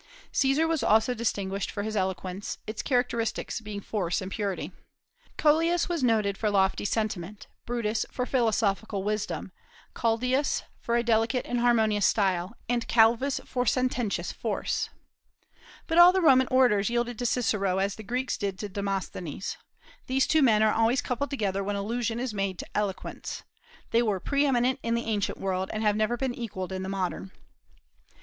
Caesar was also distinguished for his eloquence, its characteristics being force and purity. "Coelius was noted for lofty sentiment, Brutus for philosophical wisdom, Calidius for a delicate and harmonious style, and Calvus for sententious force." But all the Roman orators yielded to Cicero, as the Greeks did to Demosthenes. These two men are always coupled together when allusion is made to eloquence. They were pre eminent in the ancient world, and have never been equalled in the modern.